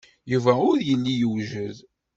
Yuba ur yelli yewjed.